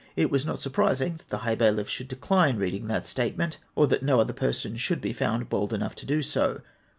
It was not surprising that the high bailiff should decline reading that statement, or that no other person should be found bold enough to do so.